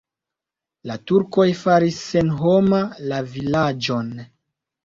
La turkoj faris senhoma la vilaĝon.